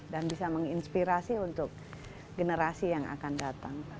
dan bisa menginspirasi untuk generasi yang akan datang